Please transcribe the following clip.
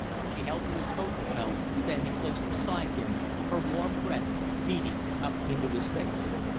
She held to his coat lapels, standing close beside him, her warm breath beating up into his face.